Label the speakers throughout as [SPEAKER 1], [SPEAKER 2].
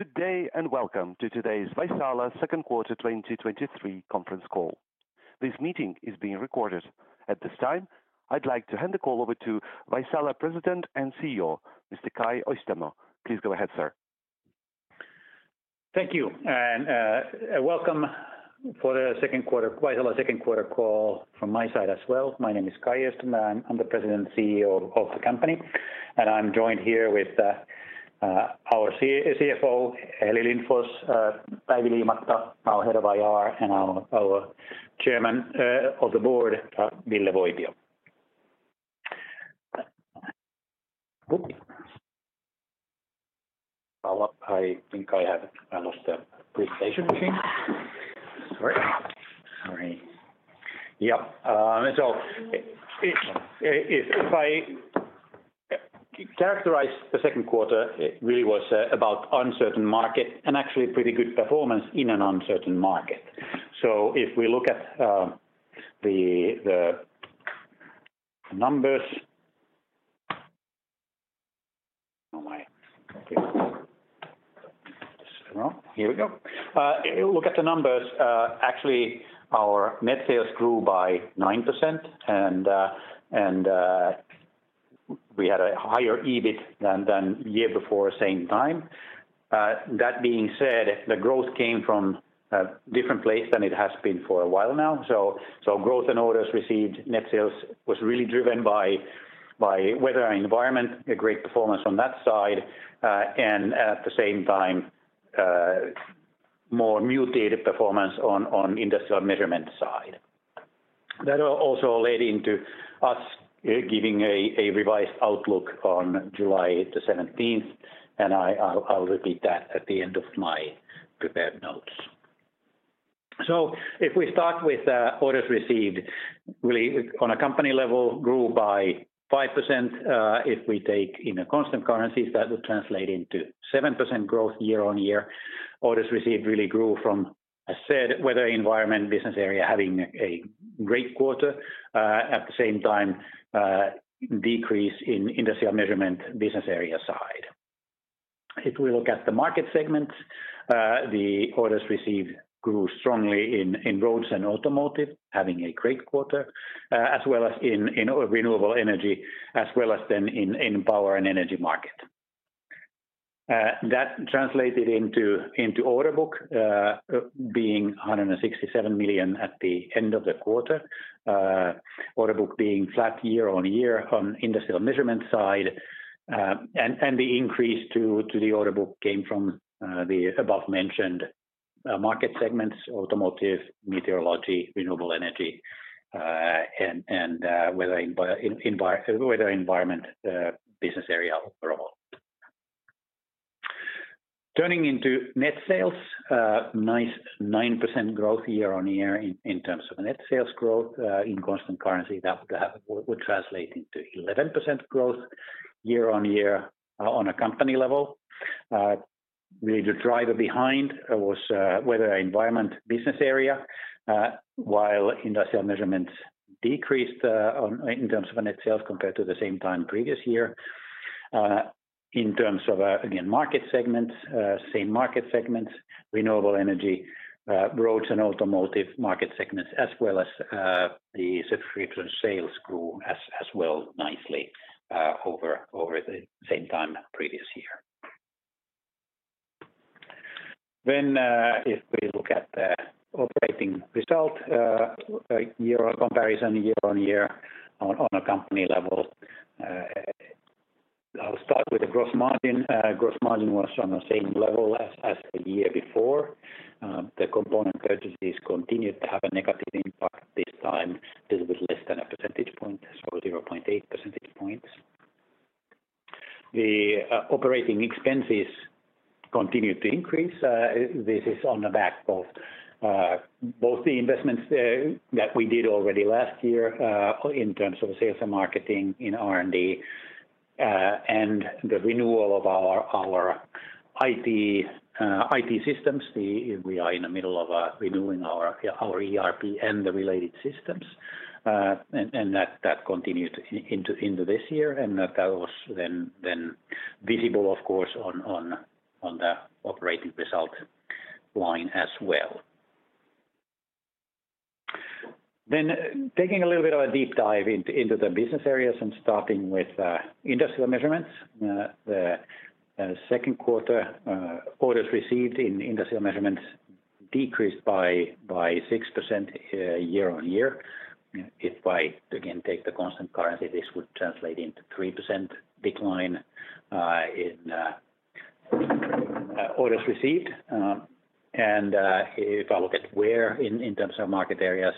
[SPEAKER 1] Good day, and welcome to today's Vaisala Q2 2023 Conference Call. This meeting is being recorded. At this time, I'd like to hand the call over to Vaisala President and CEO, Mr. Kai Öistämö. Please go ahead, sir.
[SPEAKER 2] Thank you, and welcome for the Q2, Vaisala Q2 call from my side as well. My name is Kai Öistämö, I'm the President and CEO of the company, and I'm joined here with our CFO, Heli Lindfors, Päivi Liimatta, our Head of IR, and our Chairman of the Board, Ville Voipio. Okay. I think I have lost the presentation again. Sorry. Sorry. Yep, if I characterize the Q2, it really was about uncertain market and actually pretty good performance in an uncertain market. If we look at the numbers... Oh, my! Here we go. If we look at the numbers, actually, our net sales grew by 9%, and we had a higher EBIT than year before same time. That being said, the growth came from a different place than it has been for a while now. Growth and orders received, net sales was really driven by, by Weather and Environment, a great performance on that side, and at the same time, more muted performance on Industrial Measurements side. That also led into us giving a revised outlook on July the 17th, and I'll repeat that at the end of my prepared notes. If we start with orders received, really on a company level, grew by 5%. If we take in a constant currencies, that would translate into 7% growth year-over-year. Orders received really grew from, I said, Weather and Environment, business area, having a great quarter, at the same time, decrease in Industrial Measurements business area side. If we look at the market segments, the orders received grew strongly in roads and automotive, having a great quarter, as well as in renewable energy, as well as then in power and energy market. That translated into order book being €167 million at the end of the quarter, order book being flat year-on-year on Industrial Measurements side, and the increase to the order book came from the above mentioned market segments, automotive, meteorology, renewable energy, and Weather and Environment business area overall. Turning into net sales, nice 9% growth year-on-year in terms of net sales growth, in constant currency, that would translate into 11% growth year-on-year on a company level. Really the driver behind was Weather and Environment business area, while Industrial Measurements decreased in terms of net sales compared to the same time previous year. In terms of, again, market segments, same market segments, renewable energy, roads and automotive market segments, as well as the refrigeration sales grew as well nicely over the same time previous year. If we look at the operating result, year on comparison, year on year on, on a company level, I'll start with the gross margin. Gross margin was on the same level as the year before. The component purchases continued to have a negative impact, this time, little bit less than a percentage point, so 0.8 percentage points. The operating expenses continued to increase. This is on the back of both the investments that we did already last year in terms of sales and marketing in R&D, and the renewal of our IT, IT systems. We are in the middle of renewing our ERP and the related systems, and that, that continued into, into this year, and that was then, then visible, of course, on, on, on the operating result line as well. Taking a little bit of a deep dive into, into the business areas and starting with Industrial Measurements. The Q2 orders received in Industrial Measurements decreased by 6% year-on-year. If I again take the constant currency, this would translate into 3% decline in orders received. If I look at where in, in terms of market areas,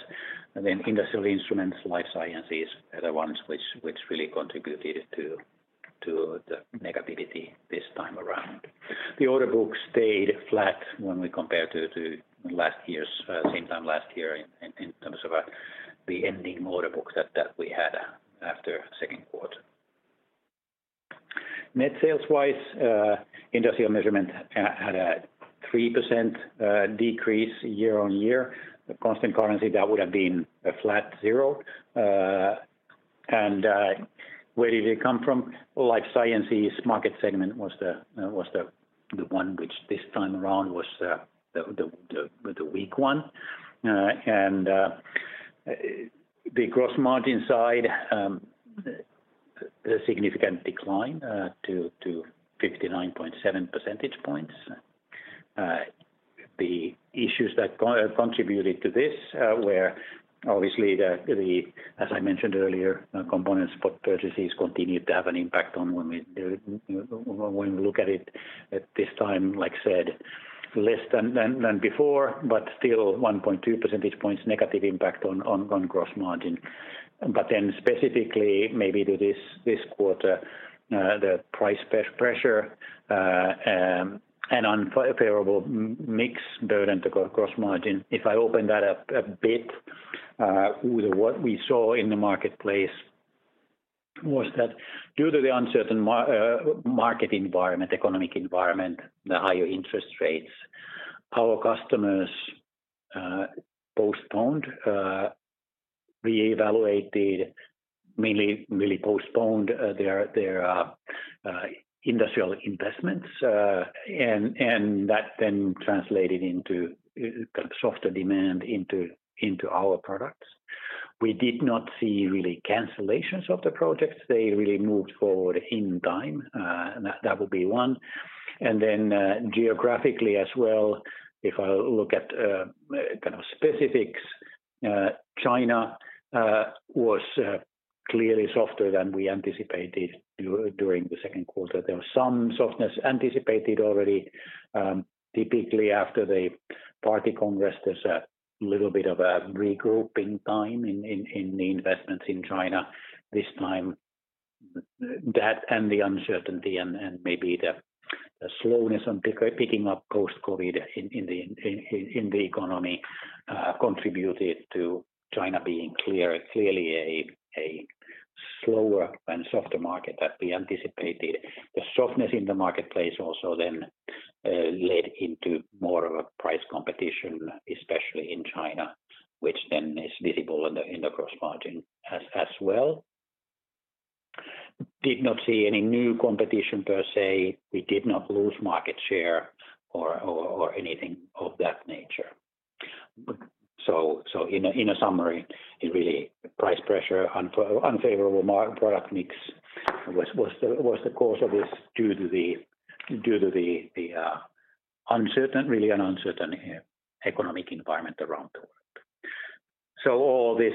[SPEAKER 2] then industrial instruments, life science are the ones which, which really contributed to, to the negativity this time around. The order book stayed flat when we compare to, to last year's same time last year in, in terms of the ending order book that, that we had after Q2. Net sales wise, Industrial Measurements had a 3% decrease year on year. The constant currency, that would have been a flat zero. Where did it come from? Life science market segment was the, was the, the one which this time around was the, the, the, the weak one. The gross margin side, a significant decline to 59.7 percentage points. The issues that contributed to this were obviously as I mentioned earlier, component spot purchases continued to have an impact on when we look at it at this time, like I said, less than before, but still 1.2 percentage points negative impact on gross margin. Specifically, maybe to this, this quarter, the price pressure and unfavorable mix during the gross margin. If I open that up a bit, with what we saw in the marketplace was that due to the uncertain market environment, economic environment, the higher interest rates, our customers postponed, reevaluated, mainly, really postponed their industrial investments, that then translated into softer demand into our products. We did not see really cancellations of the projects. They really moved forward in time, and that, that would be one. Then, geographically as well, if I look at kind of specifics, China was clearly softer than we anticipated during the Q2. There was some softness anticipated already. Typically after the party congress, there's a little bit of a regrouping time in the investments in China. This time, that and the uncertainty and maybe the slowness on picking up post-COVID in the economy contributed to China being clearly a slower and softer market than we anticipated. The softness in the marketplace also then led into more of a price competition, especially in China, which then is visible in the gross margin as well. Did not see any new competition per se. We did not lose market share or, or, or anything of that nature. In a summary, it really, price pressure, unfavorable product mix was, was the, was the cause of this due to the, due to the uncertain, really an uncertain economic environment around the world. All this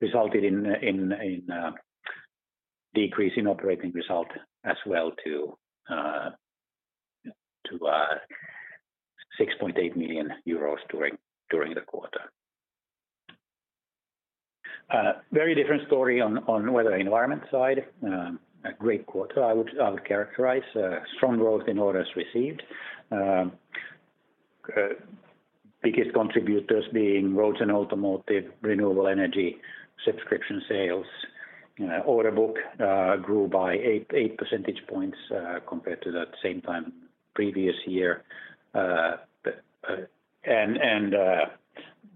[SPEAKER 2] resulted in a decrease in operating result as well to €6.8 million during the quarter. Very different story on Weather and Environment side. A great quarter, I would, I would characterize, strong growth in orders received. Biggest contributors being roads and automotive, renewable energy, subscription sales. Order book grew by 8 percentage points compared to that same time previous year.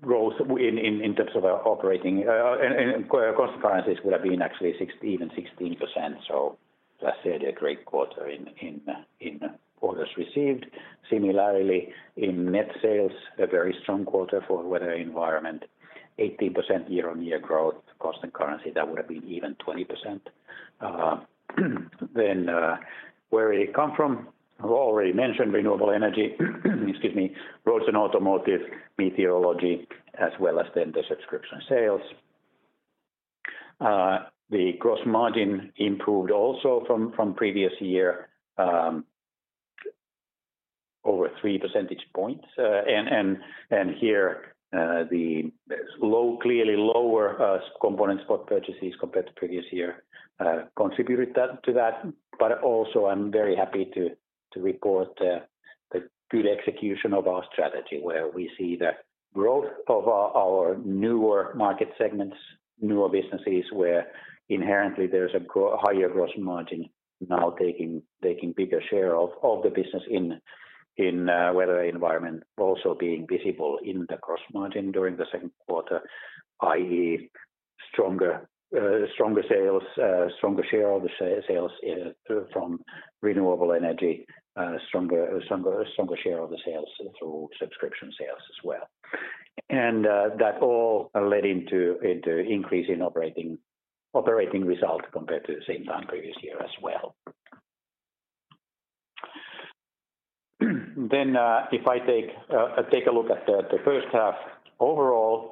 [SPEAKER 2] Growth in terms of our operating and constant currencies would have been actually even 16%. As I said, a great quarter in orders received. Similarly, in net sales, a very strong quarter for Weather and Environment, 18% year-on-year growth, constant currency, that would have been even 20%. Where did it come from? I've already mentioned renewable energy, excuse me, roads and automotive, meteorology, as well as then the subscription sales. The gross margin improved also from previous year, over 3 percentage points. Here, the clearly lower component spot purchases compared to previous year, contributed that, to that. Also, I'm very happy to report the good execution of our strategy, where we see the growth of our newer market segments, newer businesses, where inherently there's a higher gross margin now taking bigger share of the business in Weather and Environment, also being visible in the gross margin during the Q2, i.e., stronger sales, stronger share of the sales from renewable energy, stronger, stronger, stronger share of the sales through subscription sales as well. That all led into increase in operating result compared to the same time previous year as well. If I take a look at the first half overall,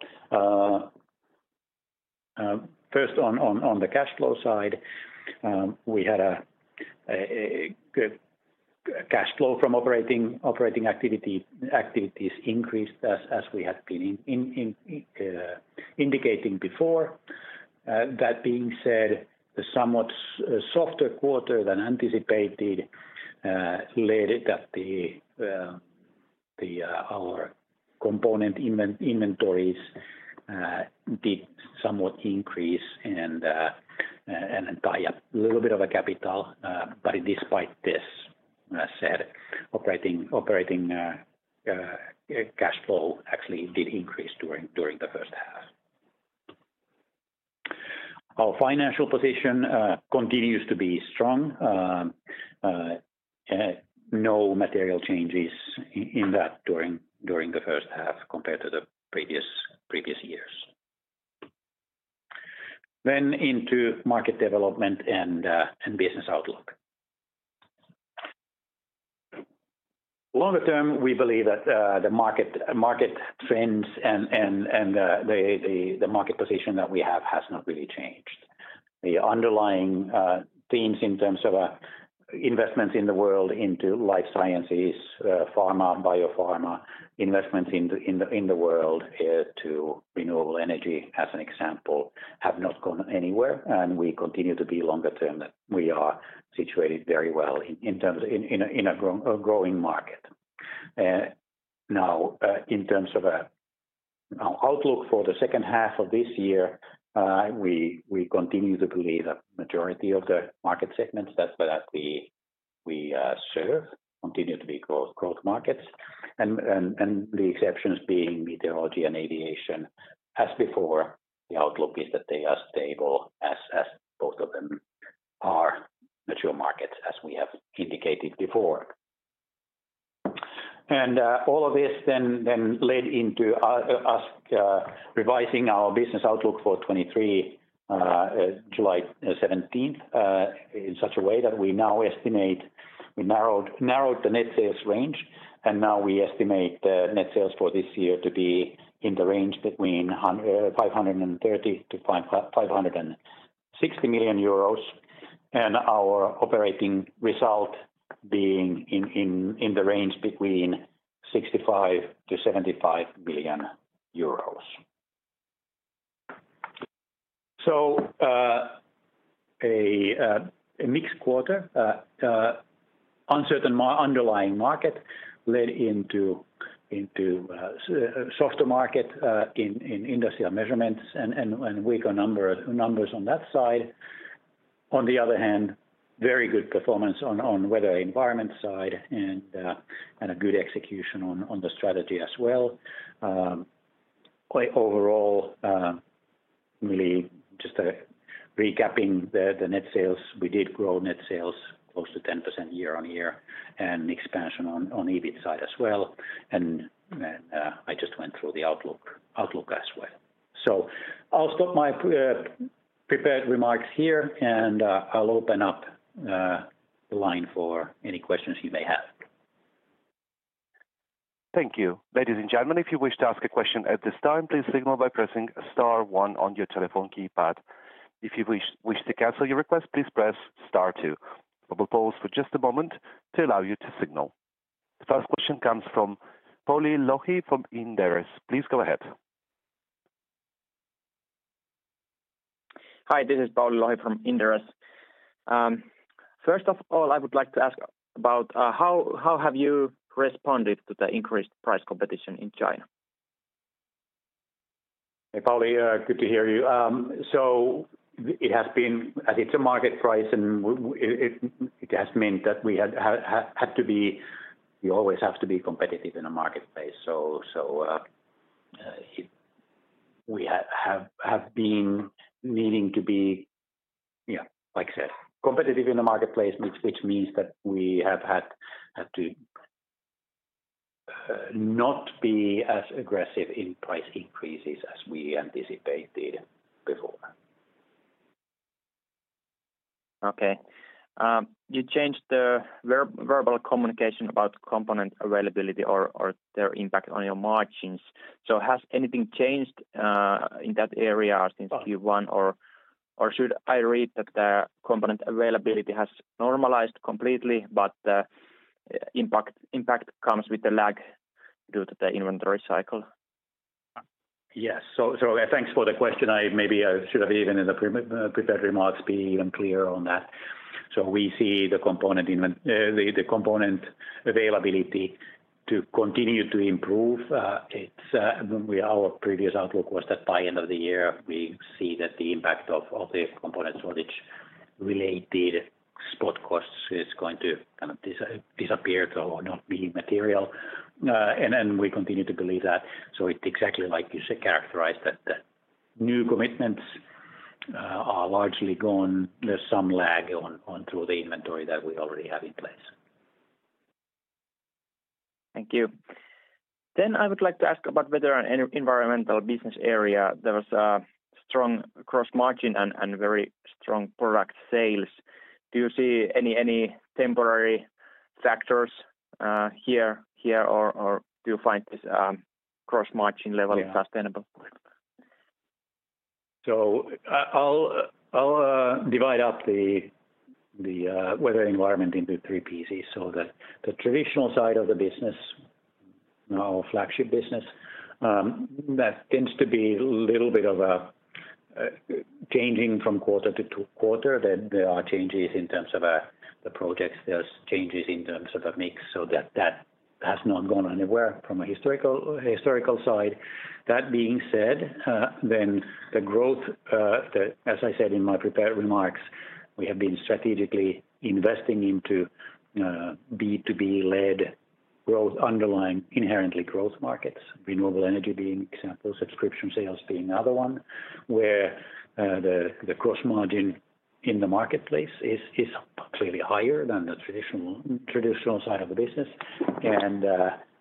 [SPEAKER 2] first on the cash flow side, we had a good cash flow from operating activities increased as we had been indicating before. The somewhat softer quarter than anticipated led that the, our component inventories did somewhat increase and tie up a little bit of a capital, despite this, operating cash flow actually did increase during the first half. Our financial position continues to be strong. No material changes in that during the first half compared to the previous years. Into market development and business outlook. Longer term, we believe that the market, market trends and the market position that we have has not really changed. The underlying themes in terms of investments in the world into life sciences, pharma, biopharma, investments in the world to renewable energy, as an example, have not gone anywhere, and we continue to be longer term. We are situated very well in terms of in a growing market. Now, in terms of our outlook for the second half of this year, we continue to believe that majority of the market segments that we serve, continue to be growth markets. The exceptions being Meteorology and Aviation. As before, the outlook is that they are stable as, as both of them are mature markets, as we have indicated before. All of this then, then led into us revising our business outlook for 2023, July 17th, in such a way that we now estimate, we narrowed, narrowed the net sales range, and now we estimate the net sales for this year to be in the range between €530 million-€ 560 million, and our operating result being in, in, in the range between €65 million-€ 75 million. A mixed quarter, uncertain underlying market led into, into a softer market, in Industrial Measurements and, and, and weaker numbers on that side. On the other hand, very good performance on, on Weather and Environment side, and a good execution on, on the strategy as well. Quite overall, really just recapping the net sales, we did grow net sales close to 10% year-on-year, and expansion on, on EBIT side as well. I just went through the outlook, outlook as well. I'll stop my prepared remarks here, and I'll open up the line for any questions you may have.
[SPEAKER 1] Thank you. Ladies and gentlemen, if you wish to ask a question at this time, please signal by pressing star one on your telephone keypad. If you wish to cancel your request, please press star two. I will pause for just a moment to allow you to signal. The first question comes from Pauli Lohi from Inderes. Please go ahead.
[SPEAKER 3] Hi, this is Pauli Lohi from Inderes. First of all, I would like to ask about, how, how have you responded to the increased price competition in China?
[SPEAKER 2] Hey, Pauli, good to hear you. It has been... As it's a market price, and it has meant that we always have to be competitive in a marketplace. We have been meaning to be, yeah, like I said, competitive in the marketplace, which means that we have had to, not be as aggressive in price increases as we anticipated before.
[SPEAKER 3] Okay. You changed the verbal communication about component availability or, or their impact on your margins. Has anything changed in that area since Q1? Should I read that the component availability has normalized completely, but the impact comes with a lag due to the inventory cycle?
[SPEAKER 2] Yes. Thanks for the question. I maybe should have, even in the prepared remarks, been even clearer on that. We see the component availability to continue to improve. It's, our previous outlook was that by end of the year, we see that the impact of, of the component shortage-related spot costs is going to kind of disappear to or not be material. We continue to believe that. It's exactly like you say, characterize that the new commitments are largely gone. There's some lag on, on through the inventory that we already have in place.
[SPEAKER 3] Thank you. I would like to ask about whether in Weather and Environment business area, there was a strong cross-margin and very strong product sales. Do you see any temporary factors here, or do you find this cross-margin level-
[SPEAKER 2] Yeah...
[SPEAKER 3] sustainable?
[SPEAKER 2] I, I'll, I'll divide up the, the Weather and Environment into three pieces. The, the traditional side of the business, our flagship business, that tends to be a little bit of a changing from quarter to quarter. There, there are changes in terms of the projects, there's changes in terms of the mix, has not gone anywhere from a historical, historical side. That being said, then the growth, as I said in my prepared remarks, we have been strategically investing into B2B-led growth, underlying inherently growth markets, renewable energy being example, subscription sales being another one, where the, the gross margin in the marketplace is, is clearly higher than the traditional, traditional side of the business.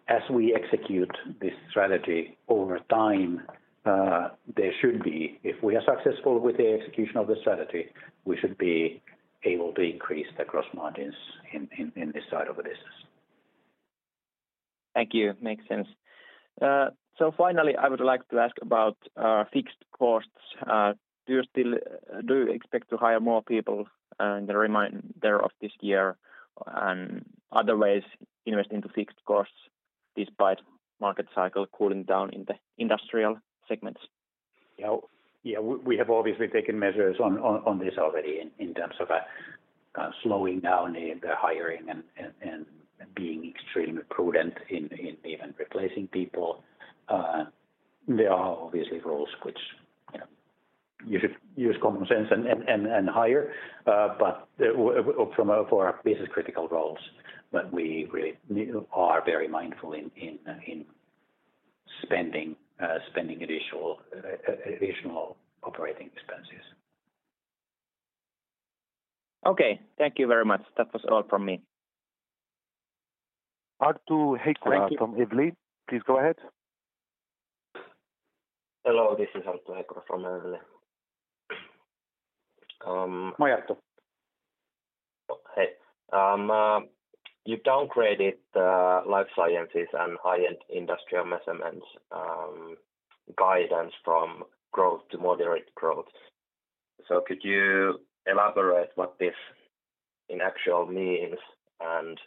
[SPEAKER 2] As we execute this strategy over time, there should be, if we are successful with the execution of the strategy, we should be able to increase the gross margins in, in, in this side of the business.
[SPEAKER 3] Thank you. Makes sense. Finally, I would like to ask about fixed costs. Do you expect to hire more people in the remainder of this year and other ways investing into fixed costs despite market cycle cooling down in the industrial segments?
[SPEAKER 2] Yeah. Yeah, we have obviously taken measures on this already in terms of slowing down the hiring and being extremely prudent in even replacing people. There are obviously roles which, you know, you should use common sense and hire, but for our business-critical roles, but we really are very mindful in spending additional additional operating expenses.
[SPEAKER 3] Okay. Thank you very much. That was all from me.
[SPEAKER 1] Arttu Heikko-
[SPEAKER 3] Thank you.
[SPEAKER 1] from Evli. Please go ahead.
[SPEAKER 4] Hello, this is Arttu Heikko from Evli.
[SPEAKER 1] Hi, Arttu.
[SPEAKER 4] You downgraded the life science and high-end industrial measurements guidance from growth to moderate growth. Could you elaborate what this in actual means, and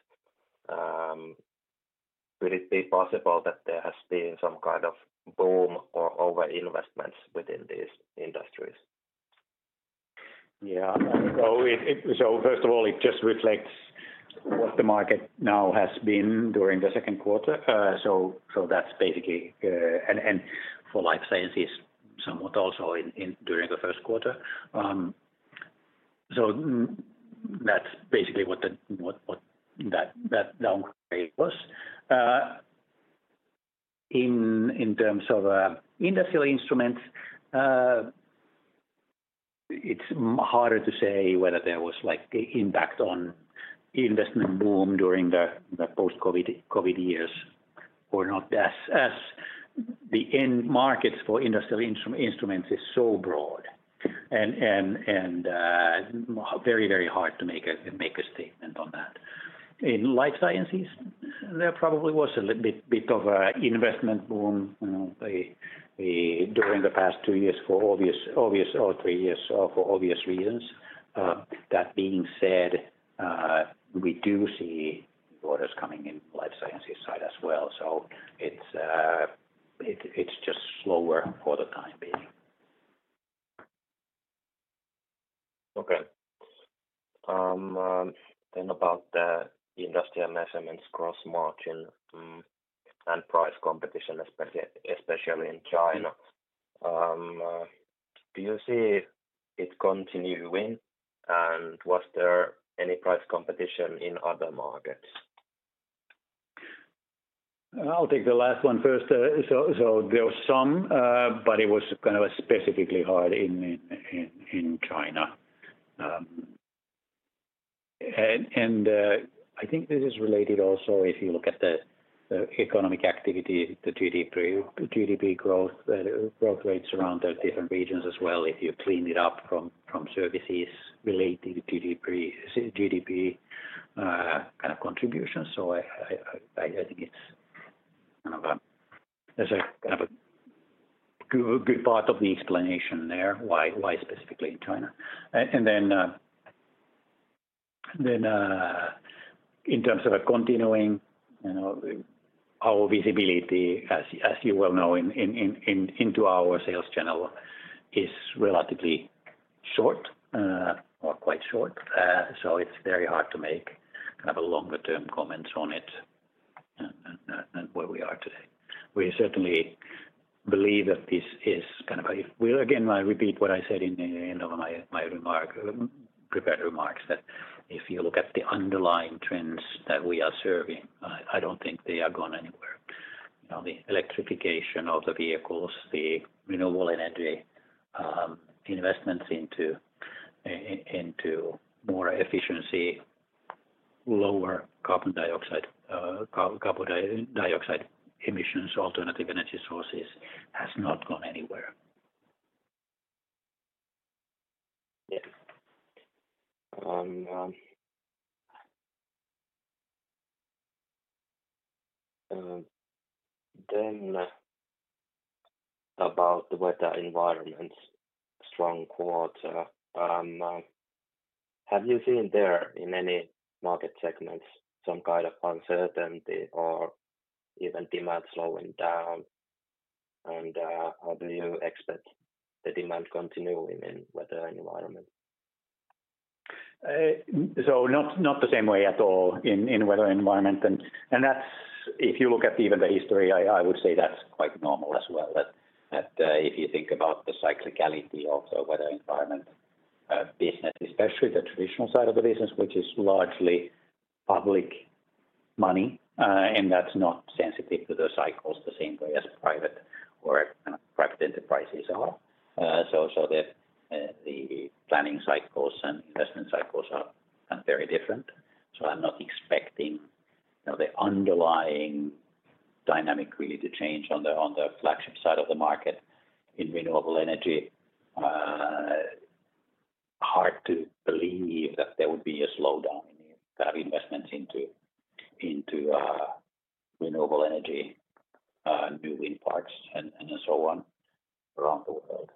[SPEAKER 4] would it be possible that there has been some kind of boom or overinvestments within these industries?
[SPEAKER 2] Yeah. So it, so first of all, it just reflects what the market now has been during the Q2. That's basically... For life science, somewhat also in, during the first quarter. That's basically what the, what that downgrade was. In terms of industrial instruments, it's harder to say whether there was like a impact on investment boom during the post-COVID, COVID years or not, as the end markets for industrial instruments is so broad and very, very hard to make a, make a statement on that. In life science, there probably was a little bit of a investment boom, you know, during the past two years for obvious or three years, for obvious reasons. That being said, we do see orders coming in life science side as well, so it's just slower for the time being.
[SPEAKER 4] Okay. About the Industrial Measurements, gross margin, and price competition, especially, especially in China. Do you see it continuing, and was there any price competition in other markets?
[SPEAKER 2] I'll take the last one first. But it was kind of specifically hard in China. I think this is related also, if you look at the economic activity, the GDP, GDP growth, growth rates around the different regions as well, if you clean it up from services related to GDP, GDP, kind of contributions. I think it's kind of a good part of the explanation there, why specifically in China. In terms of a continuing, you know, our visibility, as you, as you well know, into our sales channel is relatively short or quite short. It's very hard to make kind of a longer term comments on it, than where we are today. We certainly believe that this is kind of a well, again, I repeat what I said in the end of my, my remark, prepared remarks, that if you look at the underlying trends that we are serving, I, I don't think they are going anywhere. You know, the electrification of the vehicles, the renewable energy, investments into more efficiency, lower carbon dioxide, carbon dioxide emissions, alternative energy sources, has not gone anywhere.
[SPEAKER 4] Yeah. About the Weather and Environments, strong quarter. Have you seen there in any market segments, some kind of uncertainty or even demand slowing down? How do you expect the demand continuing in Weather and Environment?
[SPEAKER 2] So not, not the same way at all in, in weather environment. That's, if you look at even the history, I, I would say that's quite normal as well, that, that, if you think about the cyclicality of the weather environment business, especially the traditional side of the business, which is largely public money, and that's not sensitive to the cycles the same way as private or kind of private enterprises are. So, so the planning cycles and investment cycles are, are very different. So I'm not expecting, you know, the underlying dynamic really to change on the, on the flagship side of the market in renewable energy. Hard to believe that there would be a slowdown in kind of investments into, into renewable energy, new wind parks, and, and so on around the world.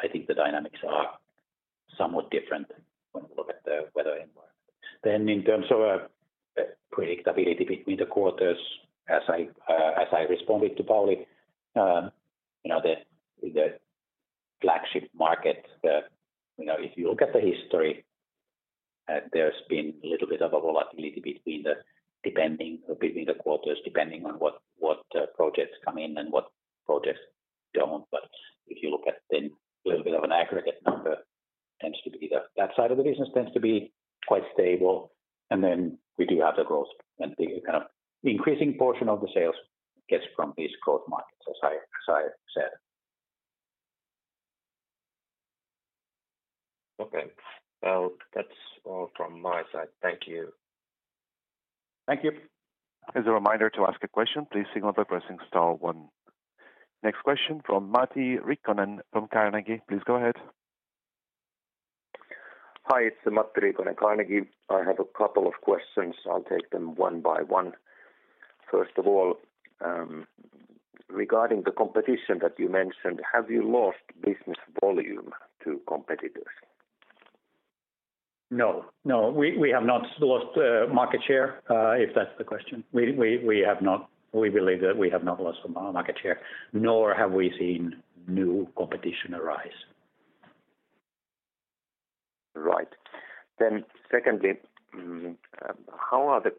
[SPEAKER 2] I think the dynamics are somewhat different when we look at the weather environment. In terms of predictability between the quarters, as I responded to Pauli, you know, the, the flagship market, you know, if you look at the history, there's been a little bit of a volatility between the depending, between the quarters, depending on what projects come in and what projects don't. If you look at then a little bit of an aggregate number, tends to be that side of the business tends to be quite stable, and then we do have the growth, and the kind of increasing portion of the sales gets from these growth markets, as I, as I said.
[SPEAKER 4] Okay. Well, that's all from my side. Thank you.
[SPEAKER 2] Thank you.
[SPEAKER 1] As a reminder to ask a question, please signal by pressing star one. Next question from Matti Riikonen from Carnegie. Please go ahead.
[SPEAKER 5] Hi, it's Matti Riikonen, Carnegie. I have a couple of questions. I'll take them one by one. First of all, regarding the competition that you mentioned, have you lost business volume to competitors?
[SPEAKER 2] No. No, we, we have not lost market share, if that's the question. We, we, we believe that we have not lost market share, nor have we seen new competition arise.
[SPEAKER 5] Right. Secondly, how are the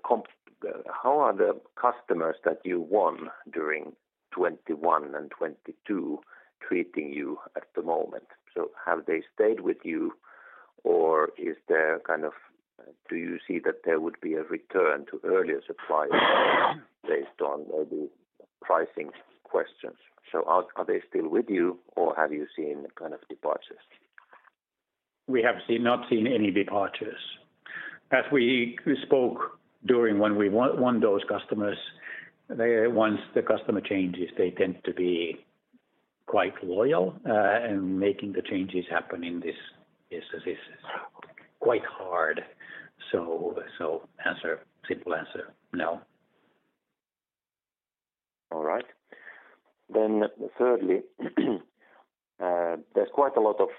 [SPEAKER 5] customers that you won during 2021 and 2022 treating you at the moment? Have they stayed with you, or is there kind of... Do you see that there would be a return to earlier suppliers based on maybe pricing questions? Are, are they still with you, or have you seen kind of departures?
[SPEAKER 2] We have seen, not seen any departures. As we spoke during when we won those customers, once the customer changes, they tend to be quite loyal, and making the changes happen in this business is quite hard. Answer, simple answer, no.
[SPEAKER 5] All right. Thirdly, there's quite a lot of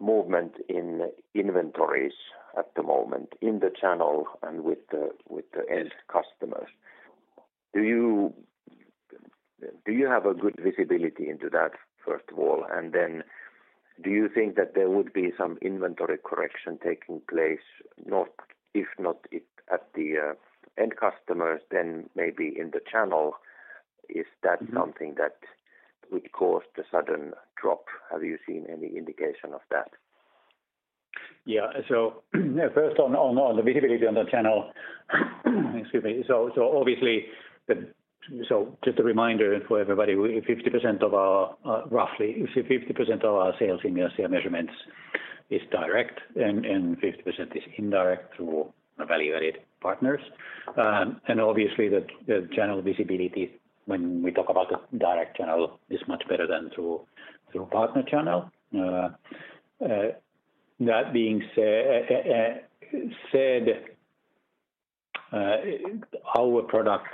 [SPEAKER 5] movement in inventories at the moment in the channel and with the, with the end customers. Do you, do you have a good visibility into that, first of all, and then do you think that there would be some inventory correction taking place, if not at the end customers, then maybe in the channel? Is that something that would cause the sudden drop? Have you seen any indication of that?
[SPEAKER 2] Yeah. First on the visibility on the channel, excuse me. Obviously, just a reminder for everybody, 50% of our, roughly, 50% of our sales in Asia measurements is direct, and 50% is indirect through value-added partners. Obviously, the channel visibility, when we talk about the direct channel, is much better than through partner channel. That being said, our products,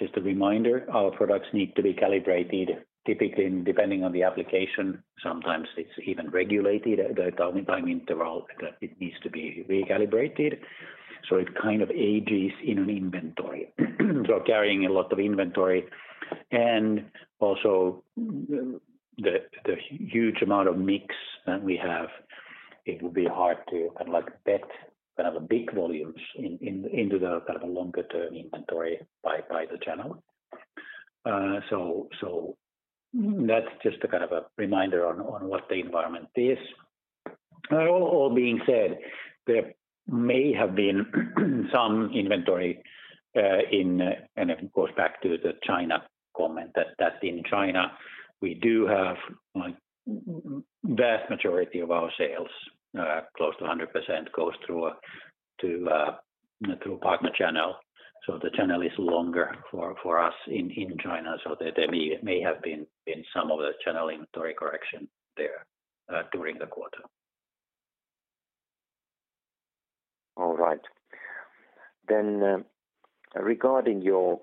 [SPEAKER 2] just a reminder, our products need to be calibrated, typically, depending on the application, sometimes it's even regulated, the time interval that it needs to be recalibrated, so it kind of ages in an inventory. Carrying a lot of inventory and also the, the huge amount of mix that we have, it would be hard to kind of like bet kind of big volumes in, in, into the kind of a longer-term inventory by, by the channel. So that's just a kind of a reminder on, on what the environment is. All, all being said, there may have been some inventory in. It goes back to the China comment, that, that in China, we do have, like, vast majority of our sales, close to 100%, goes through a, to, through partner channel. The channel is longer for, for us in, in China, so there, there may, may have been in some of the channel inventory correction there during the quarter.
[SPEAKER 5] All right. Regarding your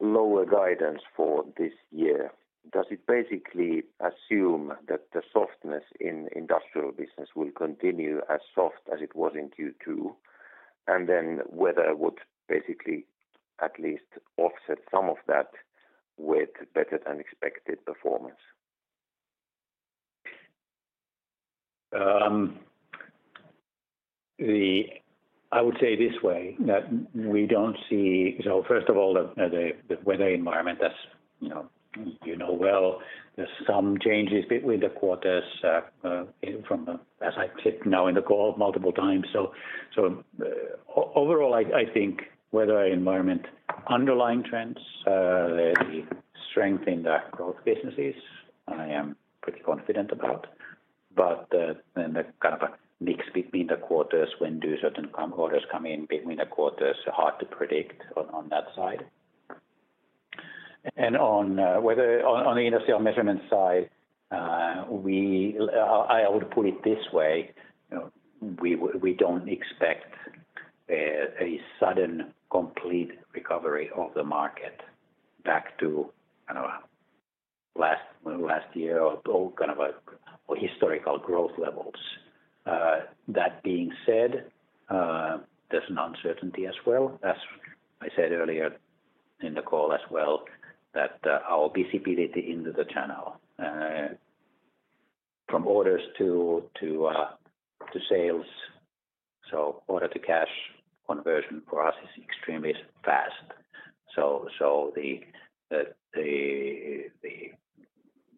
[SPEAKER 5] lower guidance for this year, does it basically assume that the softness in Industrial business will continue as soft as it was in Q2, and then Weather would basically at least offset some of that? With better than expected performance?
[SPEAKER 2] I would say this way, that we don't see... First of all, the weather environment, as, you know, you know well, there's some changes between the quarters, from, as I said now in the call multiple times. Overall, I think weather environment, underlying trends, the strength in the growth businesses, I am pretty confident about. Then the kind of a mix between the quarters, when do certain orders come in between the quarters are hard to predict on that side. On whether on the Industrial Measurements side, we, I would put it this way, you know, we don't expect a sudden complete recovery of the market back to, I don't know, last, last year or kind of, historical growth levels. That being said, there's an uncertainty as well, as I said earlier in the call as well, that our visibility into the channel, from orders to sales, so order to cash conversion for us is extremely fast. The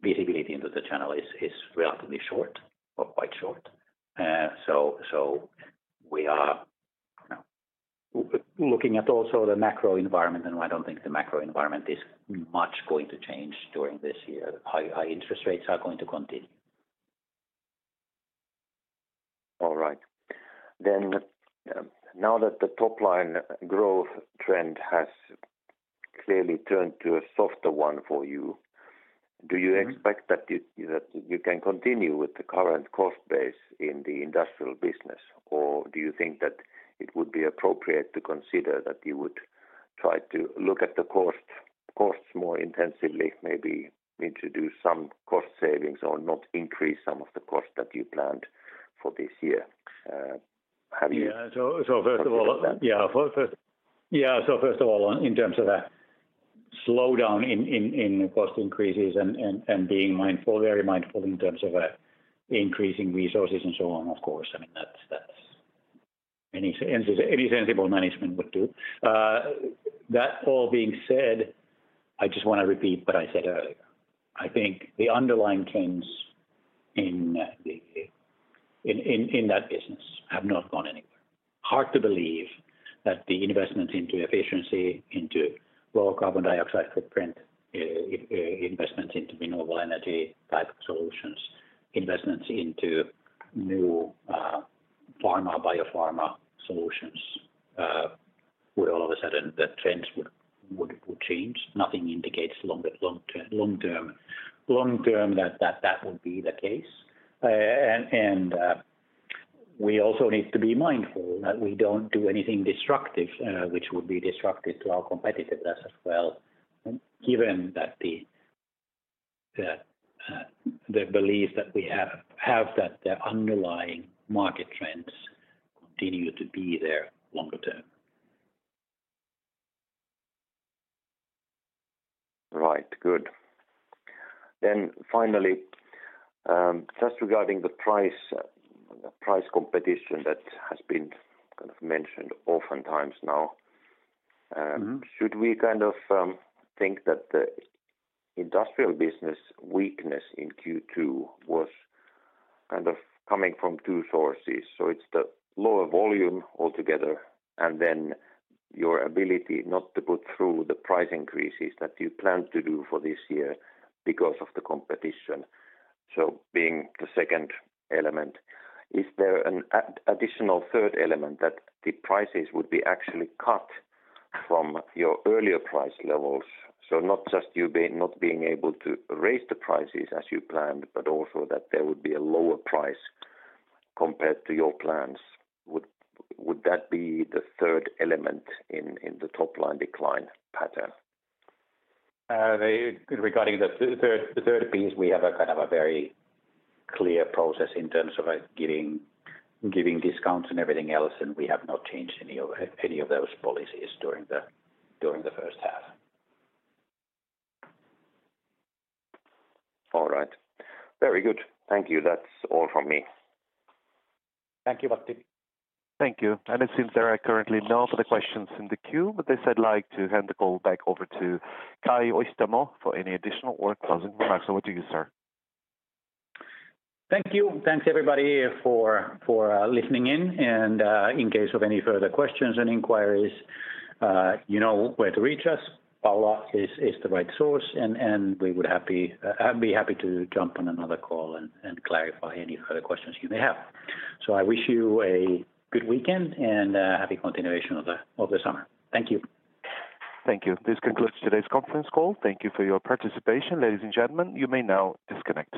[SPEAKER 2] visibility into the channel is relatively short or quite short. We are, you know, looking at also the macro environment, and I don't think the macro environment is much going to change during this year. High interest rates are going to continue.
[SPEAKER 5] All right. now that the top line growth trend has clearly turned to a softer one for you.
[SPEAKER 2] Mm-hmm.
[SPEAKER 5] Do you expect that it, that you can continue with the current cost base in the Industrial business? Do you think that it would be appropriate to consider that you would try to look at the cost, costs more intensively, maybe introduce some cost savings or not increase some of the costs that you planned for this year? Have you-
[SPEAKER 2] Yeah, first of all-
[SPEAKER 5] Look at that.
[SPEAKER 2] Yeah, for first... Yeah, first of all, in terms of a slowdown in, in, in cost increases and, and, and being mindful, very mindful in terms of increasing resources and so on, of course, I mean, that's, that's any sensible management would do. That all being said, I just want to repeat what I said earlier, I think the underlying trends in the, in, in, in that business have not gone anywhere. Hard to believe that the investment into efficiency, into low carbon dioxide footprint, investments into renewable energy type of solutions, investments into new pharma, biopharma solutions, where all of a sudden the trends would, would, would change. Nothing indicates long, long term, long term, long term that, that, that would be the case. We also need to be mindful that we don't do anything destructive, which would be destructive to our competitiveness as well, given that the, the belief that we have, have that the underlying market trends continue to be there longer term.
[SPEAKER 5] Right. Good. Finally, just regarding the price, price competition that has been kind of mentioned oftentimes now...
[SPEAKER 2] Mm-hmm...
[SPEAKER 5] should we kind of, think that the industrial business weakness in Q2 was kind of coming from 2 sources? It's the lower volume altogether, and then your ability not to put through the price increases that you planned to do for this year because of the competition. Being the 2nd element, is there an additional 3rd element that the prices would be actually cut from your earlier price levels? Not just you not being able to raise the prices as you planned, but also that there would be a lower price compared to your plans. Would that be the 3rd element in the top line decline pattern?
[SPEAKER 2] Regarding the third, the third piece, we have a kind of a very clear process in terms of giving, giving discounts and everything else, and we have not changed any of, any of those policies during the, during the first half.
[SPEAKER 5] All right. Very good. Thank you. That's all from me.
[SPEAKER 2] Thank you, Matti.
[SPEAKER 1] Thank you. It seems there are currently no further questions in the queue, but they said I'd like to hand the call back over to Kai Öistämö for any additional or closing remarks. To you, sir.
[SPEAKER 2] Thank you. Thanks, everybody, for, for listening in, and, in case of any further questions and inquiries, you know where to reach us. Pauli is, is the right source, and, and we would happy, I'd be happy to jump on another call and, and clarify any further questions you may have. I wish you a good weekend, and, happy continuation of the, of the summer. Thank you.
[SPEAKER 1] Thank you. This concludes today's conference call. Thank you for your participation, ladies and gentlemen. You may now disconnect.